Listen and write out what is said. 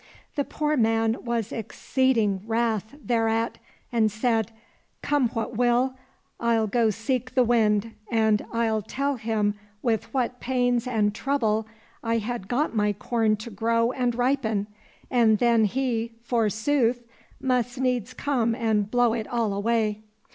The poor man was exceeding wrath thereat, and said, " Come what will, I'll go seek the Wind, and I'll tell him with what pains and trouble I had got my corn to grow and ripen, and then he, forsooth ! must needs come and blow it all away."